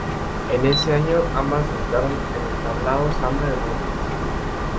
En ese año, ambas debutaron en el tablao Zambra de Madrid.